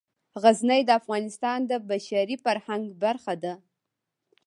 غزني د افغانستان د بشري فرهنګ برخه ده.